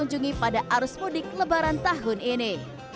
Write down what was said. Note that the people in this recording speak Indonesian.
yang dikunjungi pada arus mudik lebaran tahun ini